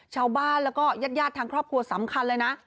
ชาวบ้านแล้วก็ญาติทางครอบครัวสำคัญเลยนะ